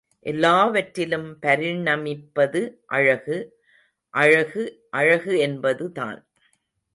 எல்லாவற்றிலும் பரிணமிப்பது அழகு, அழகு, அழகு என்பது தான்.